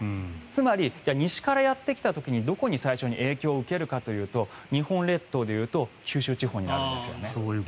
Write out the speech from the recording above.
つまり、西からやってきた時にどこに最初に影響を受けるかというと日本列島でいうと九州地方になるんですね。